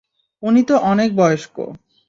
উনি তো অনেক বয়স্ক।